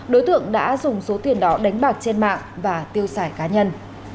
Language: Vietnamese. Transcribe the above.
đối tượng đã dùng số tiền đó đánh bạc trên mạng và tiêu xài cá nhân